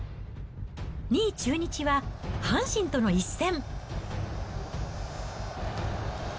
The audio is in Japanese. ２位中日は、阪神との一戦。